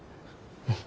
うん。